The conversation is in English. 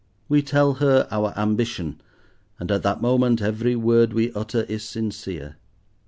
We tell her our ambition, and at that moment every word we utter is sincere.